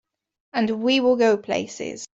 And will we go places!